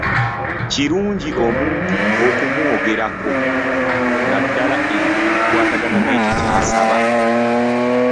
Kirungi omuntu okumwogerako naddala ebyo ebikwatagana n'ekyo ky'asaba.